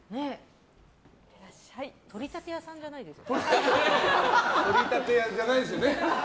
取り立て屋さんじゃないですよね？